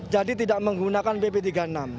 jadi tidak menggunakan pp no tiga puluh enam